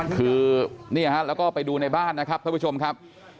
คือเนี่ยฮะแล้วก็ไปดูในบ้านนะครับท่านผู้ชมครับ